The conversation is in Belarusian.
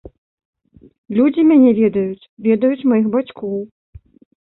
Людзі мяне ведаюць, ведаюць маіх бацькоў.